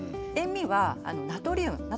塩味はナトリウム。